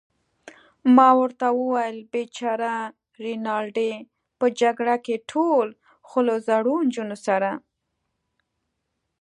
ما ورته وویل: بېچاره رینالډي، په جګړه کې ټول، خو له زړو نجونو سره.